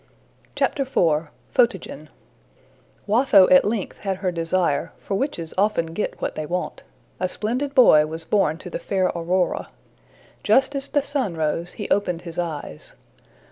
IV. Photogen WATHO at length had her desire, for witches often get what they want: a splendid boy was born to the fair Aurora. Just as the sun rose, he opened his eyes.